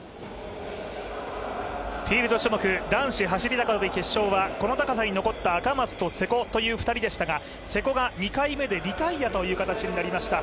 フィールド種目男子走り高跳び決勝はこの高さに残った赤松と瀬古ということでしたが瀬古が２回目でリタイアという形になりました。